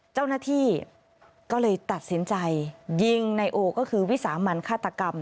เจ้าหน้าที่ก็เลยตัดสินใจยิงนายโอก็คือวิสามันฆาตกรรม